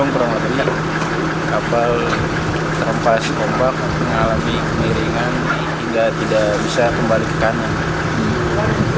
bisa kembali ke kanan